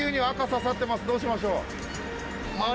どうしましょう？